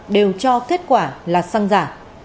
đều cho kết quả là xăng giả